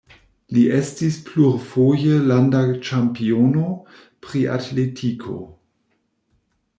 Li estis plurfoje landa ĉampiono pri atletiko.